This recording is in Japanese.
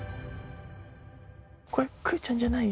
これくーちゃんじゃない？